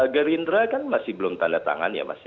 gerindra kan masih belum tanda tangan ya mas ya